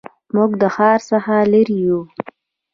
موږ د ښار څخه لرې یو